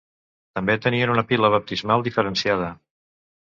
També tenien una pila baptismal diferenciada.